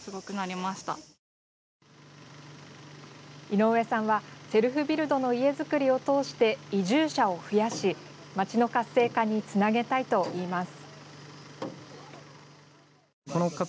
井上さんはセルフビルドの家造りを通して移住者を増やし、町の活性化につなげたいと言います。